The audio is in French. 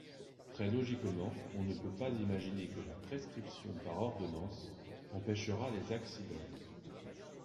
Très logiquement, on ne peut pas imaginer que la prescription par ordonnance empêchera les accidents.